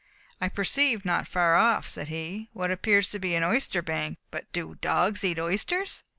"I perceive not far off," said he, "what appears to be an oyster bank, but do dogs eat oysters?"